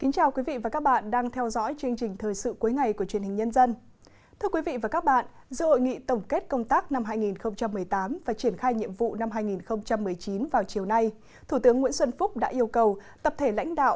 các bạn hãy đăng ký kênh để ủng hộ kênh của chúng mình nhé